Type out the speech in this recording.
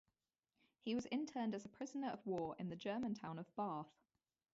He was interned as a prisoner of war in the German town of Barth.